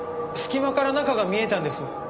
隙間から中が見えたんです。